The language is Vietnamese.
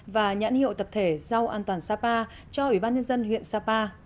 và nhãn hiệu tập thể rau an toàn sapa cho ủy ban nhân dân huyện sapa